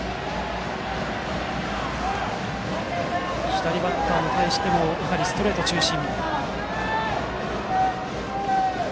左バッターに対してもやはりストレート中心。